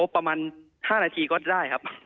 ประมาณ๕นาทีก็ได้ครับ